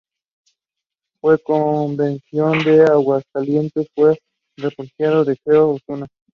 En la Convención de Aguascalientes fue representado por Gregorio Osuna.